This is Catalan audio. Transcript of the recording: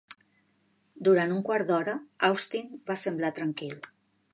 Durant un quart d'hora Austin va semblar tranquil.